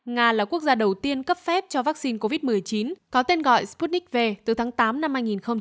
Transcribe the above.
nga là quốc gia đầu tiên cấp phép cho vaccine covid một mươi chín có tên gọi sputnik v từ tháng tám năm hai nghìn hai mươi